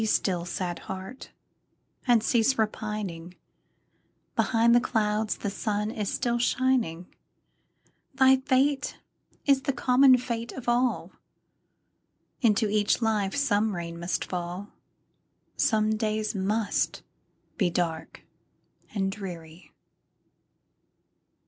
Be still, sad heart! and cease repining; Behind the clouds is the sun still shining; Thy fate is the common fate of all, Into each life some rain must fall, Some days must be dark and dreary.